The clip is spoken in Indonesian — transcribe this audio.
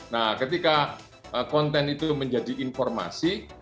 nah ketika konten itu menjadi informasi